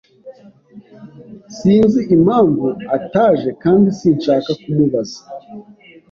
Sinzi impamvu ataje kandi sinshaka kumubaza.